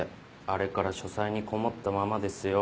あれから書斎にこもったままですよ。